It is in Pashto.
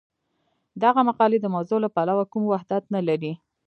دغه مقالې د موضوع له پلوه کوم وحدت نه لري.